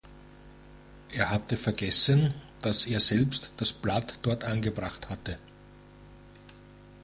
Er hatte vergessen, dass er selbst das Blatt dort angebracht hatte.